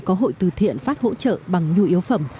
có hội từ thiện phát hỗ trợ bằng nhu yếu phẩm